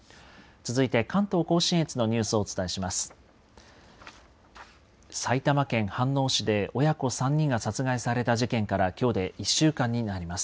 続いて関東甲信越のニュースをお伝えします。